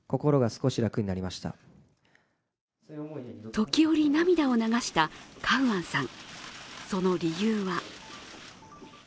時折、涙を流したカウアンさん。